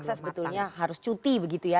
harus dipaksa sebetulnya harus cuti begitu ya